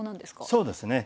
そうですね。